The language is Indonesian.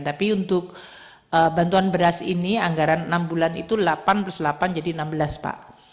tapi untuk bantuan beras ini anggaran enam bulan itu delapan plus delapan jadi enam belas pak